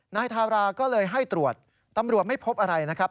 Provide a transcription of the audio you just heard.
นายทาราก็เลยให้ตรวจตำรวจไม่พบอะไรนะครับ